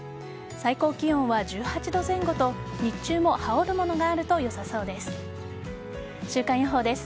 最高気温は１８度前後と日中も羽織るものがあるとよさそうです。